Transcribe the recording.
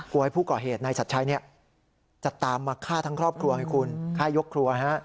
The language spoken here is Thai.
กลัวให้ผู้เกาะเหตุในสัตว์ชัยนี้จะตามมาฆ่าทั้งครอบครัวให้คุณฆ่ายกครัวฮะ